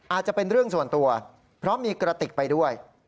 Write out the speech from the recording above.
อาจจะเป็นเรื่องส่วนตัวเพราะมีกระติกไปด้วย